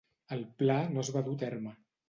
El pla no es va dur a terme.